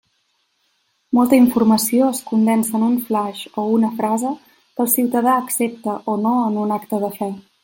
Molta informació es condensa en un flaix o una frase que el ciutadà accepta o no en un acte de fe.